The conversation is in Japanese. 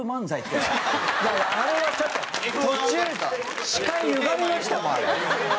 いやいやあれはちょっと途中視界ゆがみましたもんあれ。